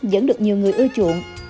vẫn được nhiều người ưa chuộng